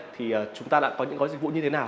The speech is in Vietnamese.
thì chúng ta đã có những gói dịch vụ như thế nào